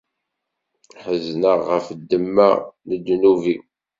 Ḥezneɣ ɣef ddemma n ddnub-iw.